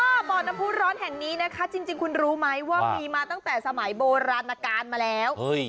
บ่อน้ำผู้ร้อนแห่งนี้นะคะจริงคุณรู้ไหมว่ามีมาตั้งแต่สมัยโบราณการมาแล้ว